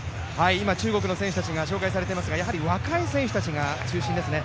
中国の選手たちが紹介されていますがやはり若い選手たちが中心ですね。